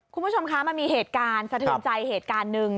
คุณผู้ชมคะมันมีเหตุการณ์สะเทือนใจเหตุการณ์หนึ่ง